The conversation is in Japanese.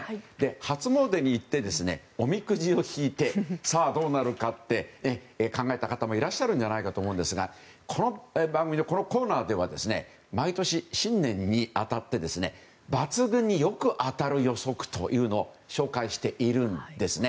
初詣に行っておみくじを引いてさあ、どうなるかって考えた方もいらっしゃるんじゃないかと思うんですがこのコーナーでは毎年新年に当たって抜群によく当たる予測というのを紹介しているんですね。